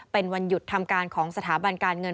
เป็นวันหยุดทำการของสถาบันการเงิน